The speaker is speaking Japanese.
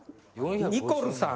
ニコルさん